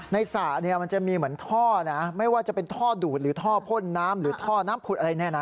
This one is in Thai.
สระเนี่ยมันจะมีเหมือนท่อนะไม่ว่าจะเป็นท่อดูดหรือท่อพ่นน้ำหรือท่อน้ำผุดอะไรเนี่ยนะ